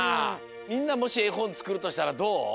みんなもしえほんつくるとしたらどう？